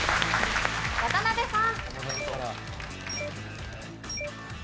渡辺さん。